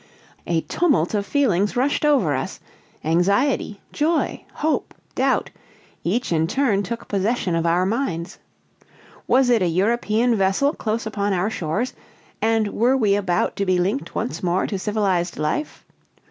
A tumult of feelings rushed over us anxiety, joy, hope, doubt, each in turn took possession of our minds. Was it a European vessel close upon our shores, and were we about to be linked once more to civilized life?